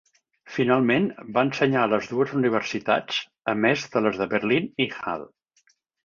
Finalment, va ensenyar a les dues universitats, a més de les de Berlín i Halle.